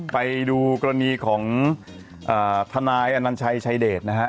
ไปดูกรณีของทนายอนัญชัยชายเดชนะฮะ